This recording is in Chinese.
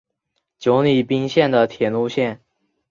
久里滨线的铁路线。